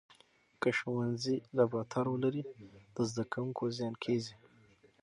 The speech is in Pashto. که ښوونځي لابراتوار ولري، د زده کوونکو زیان کېږي.